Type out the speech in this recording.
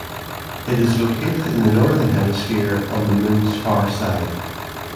It is located in the northern hemisphere on the Moon's far side.